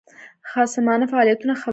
خصمانه فعالیتونو خبر شو.